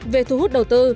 về thu hút đầu tư